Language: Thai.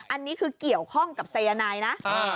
อันนี้คือเกี่ยวข้องกับสายนายนะ